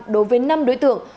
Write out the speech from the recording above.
đối với năm đối tượng